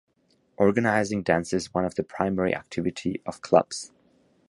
Organizing dances is one of the primary activity of clubs.